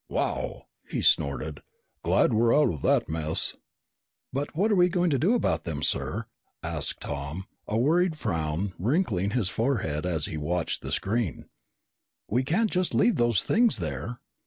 "Wow!" he snorted. "Glad we're out of that mess." "But what are we going to do about them, sir," asked Tom, a worried frown wrinkling his forehead as he watched the screen. "We can't just leave those things there.